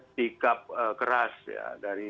tikap keras dari